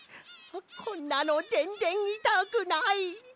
こんなのぜんぜんいたくない！